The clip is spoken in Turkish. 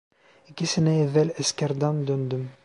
İki sene evvel askerden döndüm!